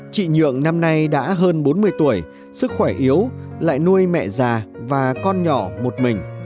chị nhượng năm nay đã hơn bốn mươi tuổi sức khỏe yếu lại nuôi mẹ già và con nhỏ một mình